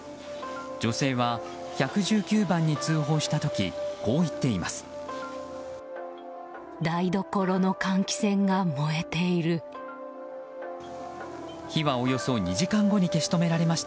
女性は、１１９番に通報したときこう言っています。